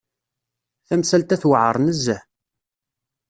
Tamsalt-a tewεer nezzeh.